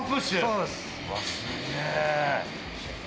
うわっすげえ！